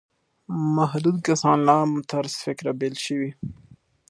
محدود کسان له عام طرز فکره بېل شوي.